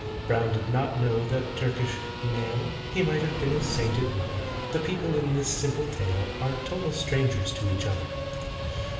BROWN did not know that Turkish male, He might have been his sainted mother: The people in this simple tale Are total strangers to each other.